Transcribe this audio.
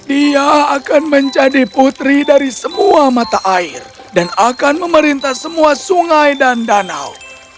ia akan menjadi putri dari semua mata air dan akan memerintah semua sungai dan danau